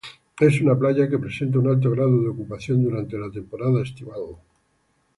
Es una playa que presenta un alto grado de ocupación durante la temporada estival.